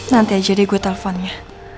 nanti aja deh gue telponnya